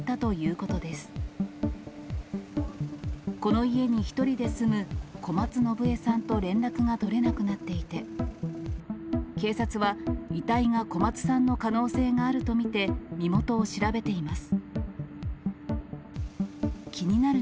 この家に１人で住む小松ノブエさんと連絡が取れなくなっていて、警察は、遺体が小松さんの可能性があると見て、身元を調べています。